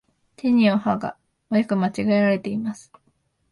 てにをはが、よく間違えられています。